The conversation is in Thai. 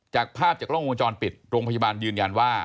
จากภาพจากกล้องวงจรปิดโรงพยาบาลยืนยันว่า